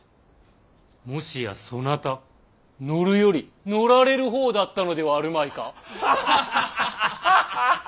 もしやそなた乗るより乗られる方だったのではあるまいか？